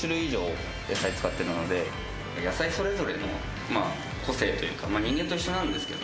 野菜それぞれの個性というか、人間と一緒なんですけど。